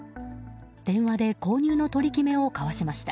電話で購入の取り決めを交わしました。